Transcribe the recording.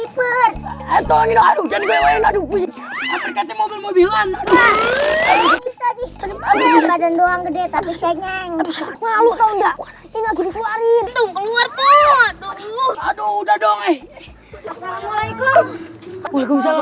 badan doang gede tapi democrata malaima udah dong eh fre salty guerra